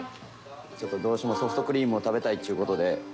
ちょっとどうしてもソフトクリームを食べたいっちゅう事で。